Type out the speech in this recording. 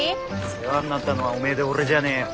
世話になったのはおめえで俺じゃねえよ。